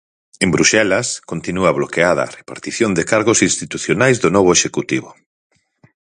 En Bruxelas, continúa bloqueada a repartición de cargos institucionais do novo Executivo.